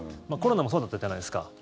コロナもそうだったじゃないですか。